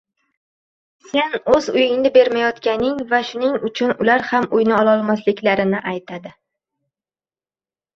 Sen oʻz uyingni bermayotganing va shuning uchun ular ham uyni ololmasliklarini aytadi.